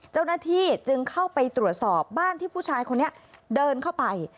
เจ้าหน้าที่จึงเข้าไปตรวจสอบบ้านที่ผู้ชายคนนี้เดินเข้าไป